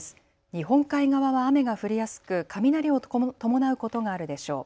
日本海側は雨が降りやすく雷を伴うことがあるでしょう。